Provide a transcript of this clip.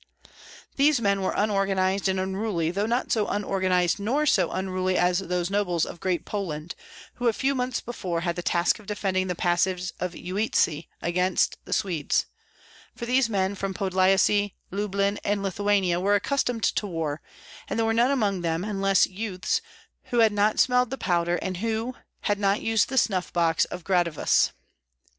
These men were unorganized and unruly, though not so unorganized nor so unruly as those nobles of Great Poland, who a few months before had the task of defending the passage of Uistsie against the Swedes; for these men from Podlyasye, Lublin, and Lithuania were accustomed to war, and there were none among them, unless youths, who had not smelled powder, and who "had not used the snuff box of Gradivus."